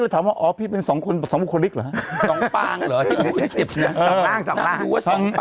เลยถามว่าอ๋อพี่เป็นสองคนสองบุคลิกเหรอสองปลางเหรอเห็นปุ๊ยเจ็บ